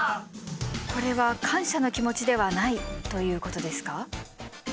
これは感謝の気持ちではないということですか？